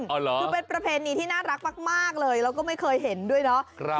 คือเป็นประเพณีที่น่ารักมากเลยแล้วก็ไม่เคยเห็นด้วยเนาะ